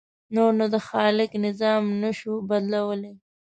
نور نو د خالق نظام نه شو بدلولی.